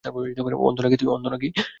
অন্ধ নাকি তুই?